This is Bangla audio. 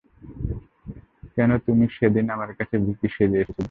কেন তুমি সেদিন আমার কাছে ভিকি সেজে এসেছিলে?